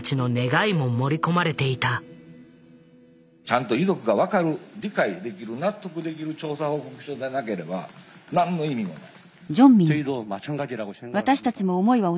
ちゃんと遺族が分かる理解できる納得できる調査報告書でなければ何の意味もない。